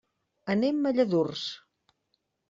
Anem a Lladurs.